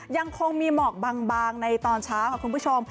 ยังคงมีหมอกบางในตอนเช้าค่ะคุณผู้ชม